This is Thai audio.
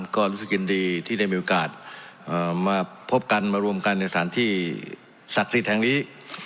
ก็รู้สึกยินดีที่ได้มีโอกาสมาพบกันมารวมกันในสถานที่ศักดิ์สิทธิ์แห่งนี้